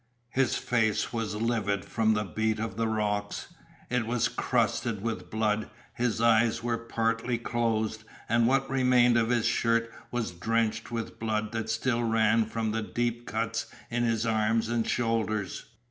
His face was livid from the beat of the rocks; it was crusted with blood; his eyes were partly closed, and what remained of his shirt was drenched with blood that still ran from the deep cuts in his arms and shoulders.